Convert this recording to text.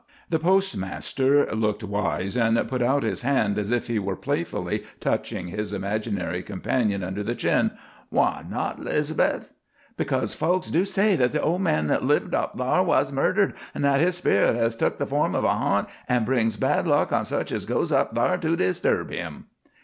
The postmaster looked wise, and put out his hand as if he were playfully touching his imaginary companion under the chin. "Why not, 'Liz'beth? _Because folks do say that the old man that lived up thar was murdered, an' that his spirit has took the form of a harnt, an' brings bad luck to such as goes up thar to disturb him.